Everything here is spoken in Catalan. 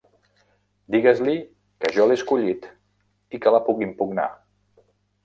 Digues-li que jo l'he escollit i que la puc impugnar!